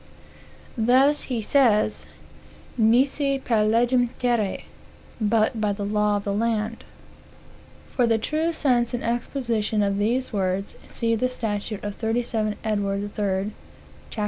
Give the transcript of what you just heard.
Thus, he says: "Nisi per legem terrae. But by the law of the land. For the true sense and exposition of these words, see the statute f 37 Edw. III., cap.